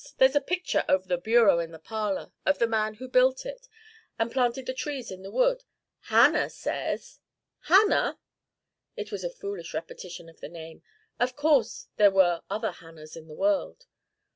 There's a picture over the bureau in the parlor of the man who built it, and planted the trees in the wood. Hannah says 'Hannah!' It was a foolish repetition of the name. Of course there were other Hannahs in the world.